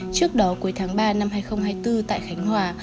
trước đó cuối tháng ba năm hai nghìn hai mươi bốn tại khánh hòa